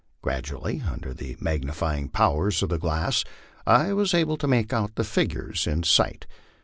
Gradually, under the magnifying powers of the glass, I was able to make out the figures in sight.